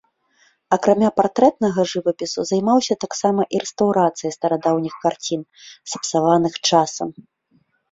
Акрамя партрэтнага жывапісу займаўся таксама і рэстаўрацыяй старадаўніх карцін, сапсаваных часам.